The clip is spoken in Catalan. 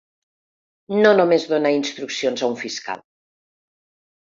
No només donar instruccions a un fiscal.